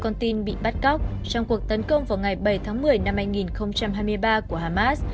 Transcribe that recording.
con tin bị bắt cóc trong cuộc tấn công vào ngày bảy tháng một mươi năm hai nghìn hai mươi ba của hamas